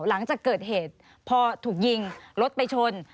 หลังจากเกิดเหตุพอถูกยิงรถไปชน